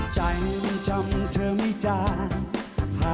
สวัสดีครับ